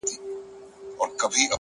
که ژوند راکوې ـ